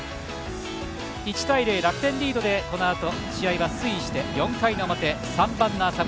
１対０、楽天リードでこのあと、試合は推移して４回の表、３番の浅村。